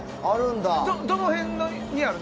どの辺にあるの？